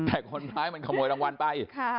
แต่คนร้ายมันขโมยรางวัลไป